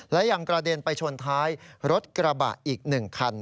และยังกระเด็นไปชนท้ายรถกระบะอีก๑คัน